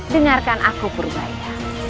dengarkan aku purbaya